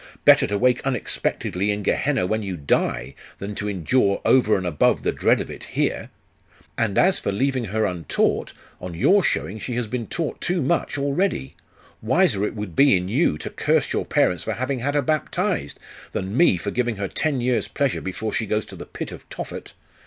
Better to wake unexpectedly in Gehenna when you die, than to endure over and above the dread of it here. And as for leaving her untaught, on your own showing she has been taught too much already. Wiser it would be in you to curse your parents for having had her baptized, than me for giving her ten years' pleasure before she goes to the pit of Tophet.